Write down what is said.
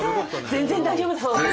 全然大丈夫だそうです。